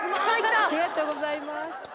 ありがとうございます。